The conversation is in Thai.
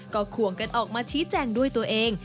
ก็ควงกันออกมาชี้แจงด้วยตัวเอง